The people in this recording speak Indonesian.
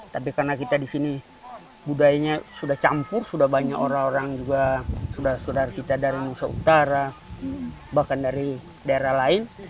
tapi karena kita di sini budayanya sudah campur sudah banyak orang orang juga sudah saudara kita dari nusa utara bahkan dari daerah lain